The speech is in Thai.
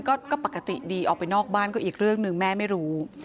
ออกไปนอกบ้านก็อีกเรื่องหนึ่งแม่ไม่รู้